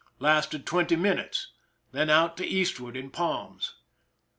Lasted 20 minutes— then out to eastward in palms.